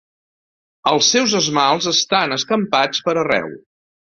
Els seus esmalts estan escampats per arreu.